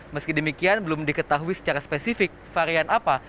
meski demikian belum diketahui secara spesifik varian apa